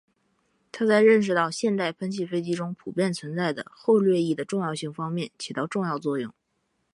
他在认识到现代喷气飞机中普遍存在的后掠翼的重要性方面起到重要作用。